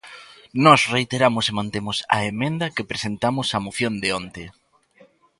Nós reiteramos e mantemos a emenda que presentamos á moción de onte.